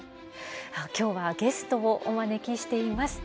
今日はゲストをお招きしています。